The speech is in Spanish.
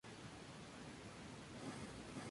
Durante un permiso pudo realizar el examen de Maestro.